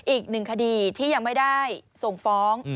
อีกหนึ่งคดีที่ยังไม่ได้ส่งฟ้อง